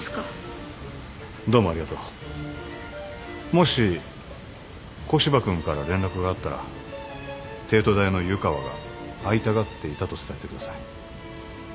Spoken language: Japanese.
もし古芝君から連絡があったら帝都大の湯川が会いたがっていたと伝えてください。